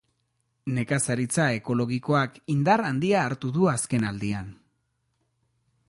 Nekazaritza ekologikoak indar handia hartu du azkenaldian.